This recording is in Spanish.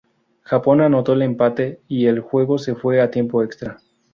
Japón anotó el empate y el juego se fue a tiempo extra.